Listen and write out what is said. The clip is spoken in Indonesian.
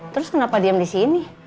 terus kenapa diam di sini